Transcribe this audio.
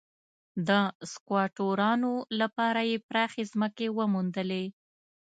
د سکواټورانو لپاره یې پراخې ځمکې وموندلې.